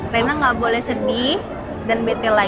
rina nggak boleh sedih dan bete lagi